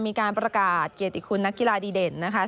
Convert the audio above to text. มีการประกาศเกียรติคุณนักกีฬาดีเด่นนะคะ